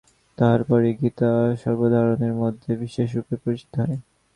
তাঁহার পরেই গীতা সর্বসাধারণের মধ্যে বিশেষরূপে পরিচিত হয়।